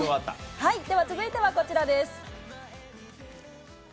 では続いてはこちらです。